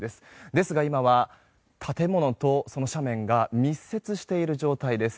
ですが、今は建物と斜面が密接している状態です。